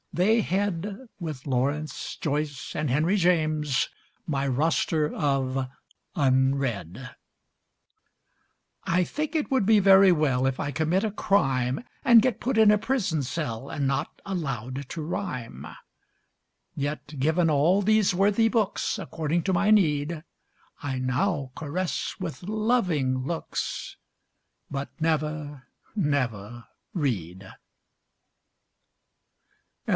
they head, With Lawrence, Joyce and Henry James, My Roster of Unread. I think it would be very well If I commit a crime, And get put in a prison cell And not allowed to rhyme; Yet given all these worthy books According to my need, I now caress with loving looks, But never, never read.